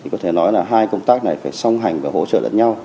có thể nói là hai công tác này phải song hành và hỗ trợ lẫn nhau